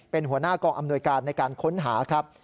เป็นหัวหน้ากองอำนวยการในการค้นหาครับ